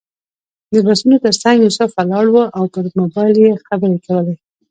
د بسونو تر څنګ یوسف ولاړ و او پر موبایل یې خبرې کولې.